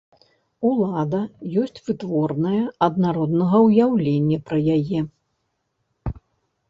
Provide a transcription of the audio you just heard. Улада ёсць вытворная ад народнага ўяўлення пра яе.